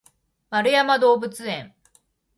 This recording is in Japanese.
円山動物園